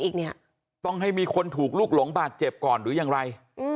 อีกเนี่ยต้องให้มีคนถูกลูกหลงบาดเจ็บก่อนหรือยังไร